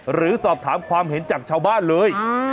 หรือสอบถามความเห็นจากชาวบ้านเลย